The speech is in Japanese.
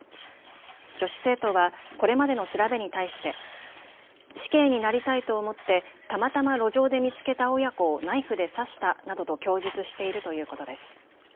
女子生徒はこれまでの調べに対して死刑になりたいと思ってたまたま路上で見つけた親子をナイフで刺したなどと供述しているということです。